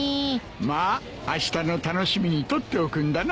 まああしたの楽しみにとっておくんだな。